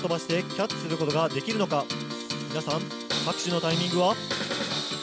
皆さん拍手のタイミングは。